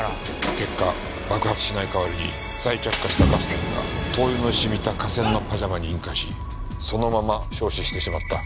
結果爆発しない代わりに再着火したガスの火が灯油の染みた化繊のパジャマに引火しそのまま焼死してしまった。